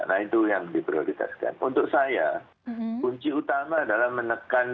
nah itu yang diprioritaskan untuk saya kunci utama adalah menekan